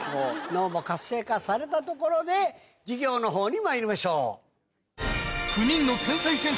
脳も活性化されたところで授業のほうにまいりましょう。